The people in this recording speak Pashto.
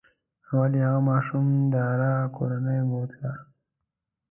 اول یې هغه ماشوم داره کورنۍ بوتله.